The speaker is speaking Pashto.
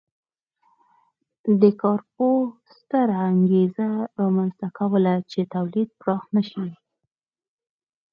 دې کار یوه ستره انګېزه رامنځته کوله چې تولید پراخ نه شي